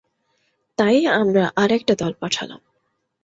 তাই আমরা আর একটা দল পাঠালাম।